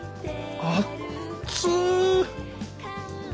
あっつ！